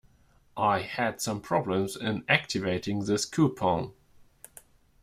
I had some problems in activating this coupon.